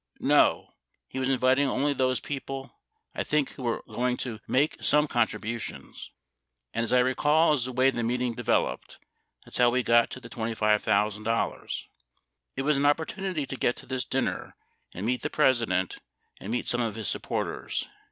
No, he was inviting only those people, I think who were going to make some contributions. And as I recall as the way the meeting developed, that's how we got to the $25,000. It was an opportunity to go to this dinner and meet the President and meet some of his supporters.